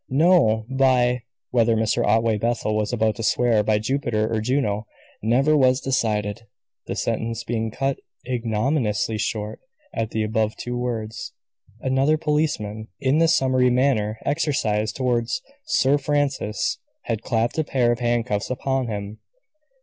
"No! by " Whether Mr. Otway Bethel was about to swear by Jupiter or Juno never was decided, the sentence being cut ignominiously short at the above two words. Another policeman, in the summary manner exercised towards Sir Francis, had clapped a pair of handcuffs upon him.